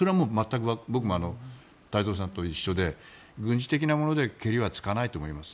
僕も太蔵さんと一緒で軍事的なもので決着はつかないと思います。